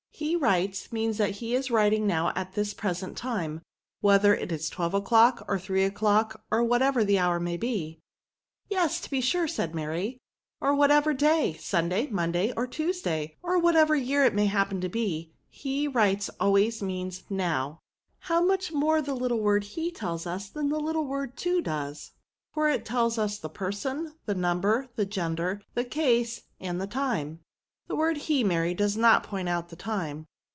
He writes, means that he is writing now at this present time, whether it is twelve o'clock, or three o'clock, or whatever. the hour may be." " Yes, to be sure," said Mary, or what ever day, Sunday, Monday, or Tuesday, or whatever year it may happen to be, lie writes means always now. How much more the little word he tells us than the little word to does ; for it tells us the person, the number, the gender^ the case, and the time." *' The word be^ Mary, does not point out the time."